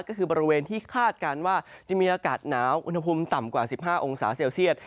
ก็คือบริเวณที่คาดการณ์ว่าจะมีอากาศหนาวอุณหภูมิต่ำกว่า๑๕องศาเซลเซียต